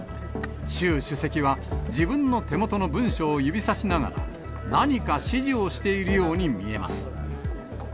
習主席は、自分の手元の文書を指さしながら、何か指示をしているように見えます。